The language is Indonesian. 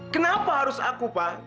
kenapa harus aku pak